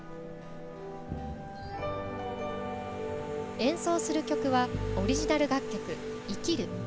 演奏する曲はオリジナル楽曲「いきる」。